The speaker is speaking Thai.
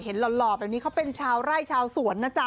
หล่อแบบนี้เขาเป็นชาวไร่ชาวสวนนะจ๊ะ